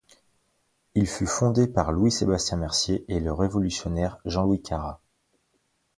Il fut fondé par Louis-Sébastien Mercier et le révolutionnaire Jean-Louis Carra.